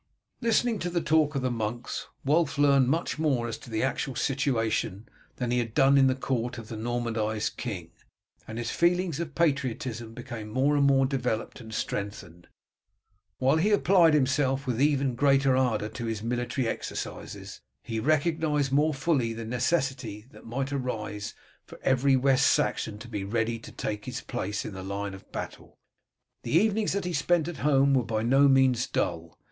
Listening to the talk of the monks Wulf learned much more as to the actual situation than he had done in the court of the Normanized king, and his feelings of patriotism became more and more developed and strengthened, while he applied himself with even greater ardour to his military exercises, as he recognized more fully the necessity that might arise for every West Saxon to be ready to take his place in the line of battle. The evenings that he spent at home were by no means dull.